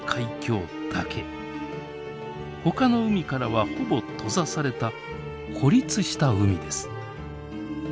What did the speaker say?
ほかの海からはほぼ閉ざされた孤立した海です。